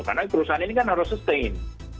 karena perusahaan ini kan harus sustain